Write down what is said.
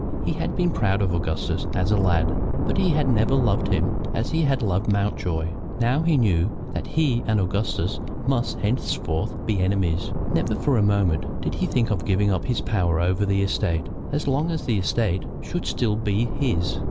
He had been proud of Augustus as a lad, but he had never loved him as he had loved Mountjoy. Now he knew that he and Augustus must henceforward be enemies. Never for a moment did he think of giving up his power over the estate as long as the estate should still be his.